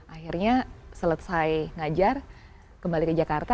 akhirnya selesai ngajar kembali ke jakarta